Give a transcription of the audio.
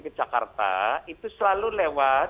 ke jakarta itu selalu lewat